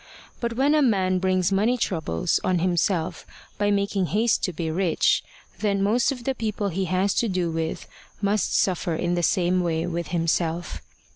But when a man brings money troubles on himself by making haste to be rich, then most of the people he has to do with must suffer in the same way with himself.